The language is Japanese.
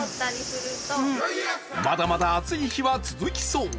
まだまだ暑い日は続きそう。